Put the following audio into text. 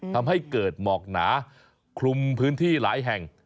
ทำให้เกิดหมอกหนาคลุมพื้นที่หลายแห่ง